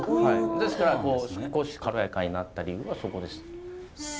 ですからこう少し軽やかになった理由はそこです。